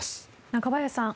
中林さん